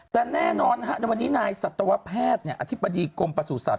แต่แน่นอนในวันนี้นายสัตวแพทย์อธิบดีกรมประสูจนสัต